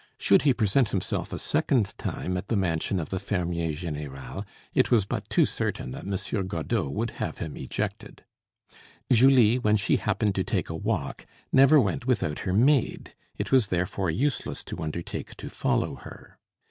Should he present himself a second time at the mansion of the fermier général, it was but too certain that M. Godeau would have him ejected. Julie, when she happened to take a walk, never went without her maid; it was therefore useless to undertake to follow her.